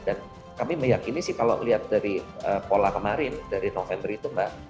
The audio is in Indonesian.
dan kami meyakini sih kalau melihat dari pola kemarin dari november itu